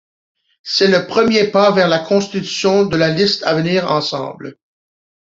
C'est le premier pas vers la constitution de la liste Avenir ensemble.